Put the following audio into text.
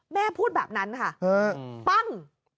แม่พูดแบบนั้นค่ะปั้ง